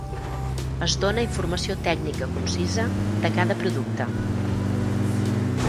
Es dona informació tècnica concisa de cada producte.